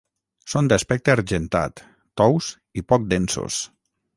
Són d'aspecte argentat, tous i poc densos.